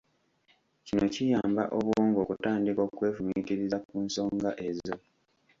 Kino kiyamba obwongo okutandika okwefumiitiriza ku nsonga ezo.